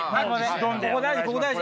ここ大事！